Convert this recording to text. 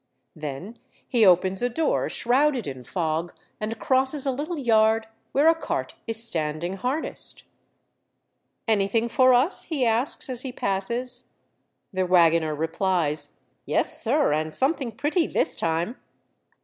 Then he opens a door shrouded in fog, and crosses a little yard where a cart is standing harnessed. 202 Monday Tales. *' Anything for us ?" he asks as he passes. The wagoner replies, —Yes, sir, and something pretty this time."